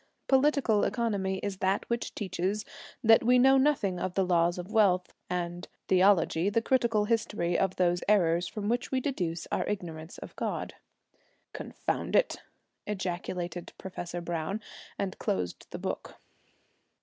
Political Economy is that which teaches that we know nothing of the laws of wealth; and Theology the critical history of those errors from which we deduce our ignorance of God.' 'Confound it!' ejaculated Professor Browne, and closed the book.